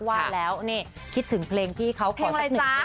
ว่าแล้วนี่คิดถึงเพลงที่เค้าขอสัก๑เพลงละกัน